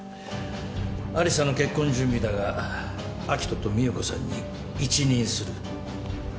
有沙の結婚準備だが明人と美保子さんに一任する。